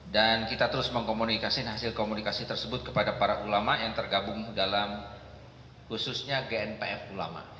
dan kita terus mengkomunikasi hasil komunikasi tersebut kepada para ulama yang tergabung dalam khususnya gnpf ulama